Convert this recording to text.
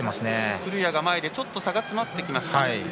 古屋が前でちょっと差が詰まってきた。